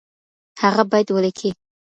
هغه بیت ولیکئ.